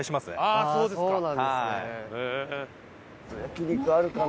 あっそうですか。